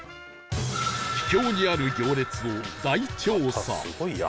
秘境にある行列を大調査